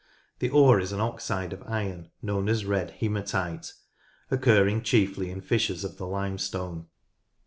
The ore is an oxide of iron known as red haematite, occurring chiefly in fissures of the limestone.